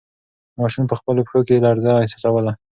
ماشوم په خپلو پښو کې لړزه احساسوله.